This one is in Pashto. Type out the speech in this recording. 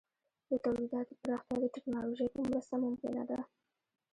د تولیداتو پراختیا د ټکنالوژۍ په مرسته ممکنه ده.